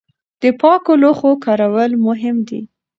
د پاکو لوښو کارول مهم دي.